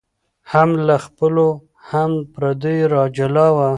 هم له خپلو هم پردیو را جلا وه